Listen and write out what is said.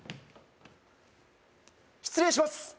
失礼します